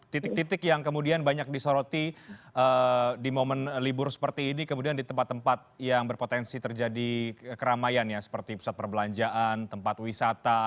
titik titik yang kemudian banyak disoroti di momen libur seperti ini kemudian di tempat tempat yang berpotensi terjadi keramaian ya seperti pusat perbelanjaan tempat wisata